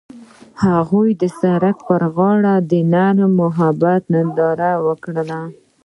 هغوی د سړک پر غاړه د نرم محبت ننداره وکړه.